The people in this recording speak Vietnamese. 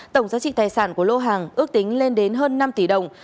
tổng giá trị tài sản của lô hàng ước tính lên đến hơn năm tỷ đồng